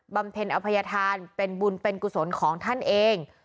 เพ็ญอภัยธานเป็นบุญเป็นกุศลของท่านเอง